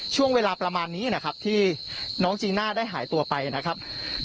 ช่วงเวลาประมาณนี้นะครับที่น้องจีน่าได้หายตัวไปนะครับ